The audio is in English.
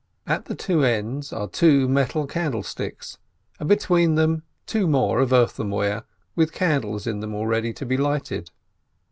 At the two ends are two metal candle sticks, and between them two more of earthenware, with candles in them ready to be lighted.